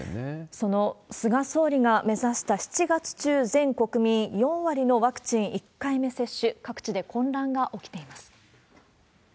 その菅総理が目指した７月中、全国民４割のワクチン１回目接種、各地で混乱が起きています。